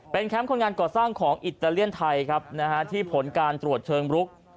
เป็นแคมป์คนงานก่อสร้างของอิตาเลียนไทยที่ผลการตรวจเชิงลุก